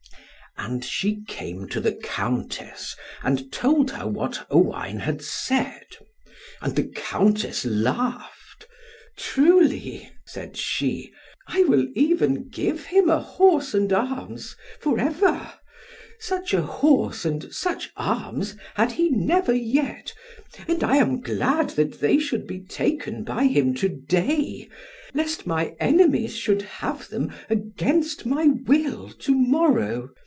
And she came to the Countess, and told her what Owain had said. And the Countess laughed. "Truly," said she, "I will even give him a horse and arms, for ever; such a horse and such arms, had he never yet, and I am glad that they should be taken by him to day, lest my enemies should have them against my will to morrow.